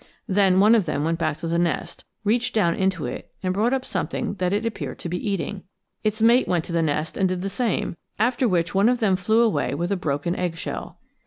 Then one of them went back to the nest, reached down into it and brought up something that it appeared to be eating. Its mate went to the nest and did the same, after which one of them flew away with a broken eggshell.